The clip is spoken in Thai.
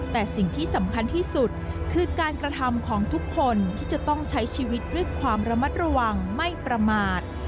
แต่สิ่งที่สำคัญที่สุดคือการกระทำของทุกคนที่จะต้องใช้ชีวิตด้วยความระมัดระวังไม่ประมาท